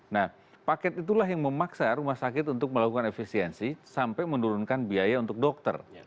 nah paket itulah yang memaksa rumah sakit untuk melakukan efisiensi sampai menurunkan biaya untuk dokter